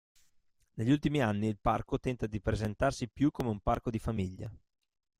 Negli ultimi anni il parco tenta di presentarsi più come un parco di famiglia.